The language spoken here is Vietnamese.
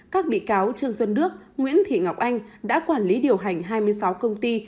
các bị cáo trương xuân đức nguyễn thị ngọc anh đã quản lý điều hành hai mươi sáu công ty